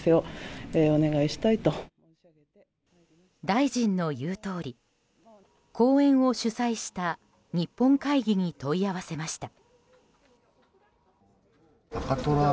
大臣の言うとおり講演を主催した日本会議に問い合わせました。